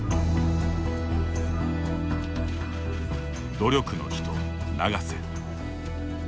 努力の人・永瀬。